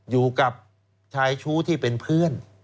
อยู่กับชายชู้ที่เป็นเพื่อน